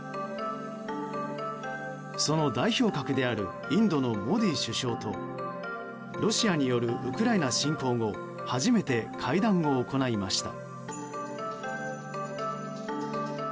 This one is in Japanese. その代表格であるインドのモディ首相とロシアによるウクライナ侵攻後初めて会談を行いました。